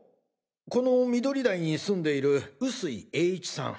この緑台に住んでいる臼井栄一さん。